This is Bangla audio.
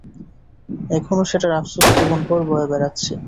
এখনও সেটার আফসোস জীবনভর বয়ে বেড়াচ্ছি!